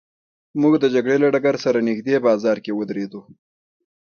موږ د جګړې له ډګر سره نږدې بازار کې ودرېدو.